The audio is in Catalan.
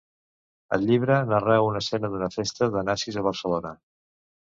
Al llibre narreu una escena d’una festa de nazis a Barcelona.